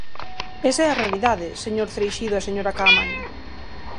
Esa é a realidade, señor Cereixido e señora Caamaño.